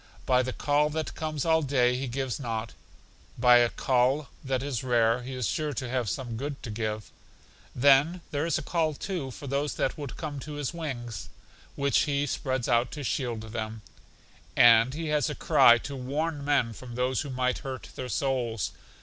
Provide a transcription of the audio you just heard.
By the call that comes all day He gives nought; by a call that is rare He is sure to have some good to give; then there is a call, too, for those that would come to His wings, which He spreads out to shield them; and He has a cry to warn men from those who might hurt their souls.